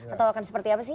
atau akan seperti apa sih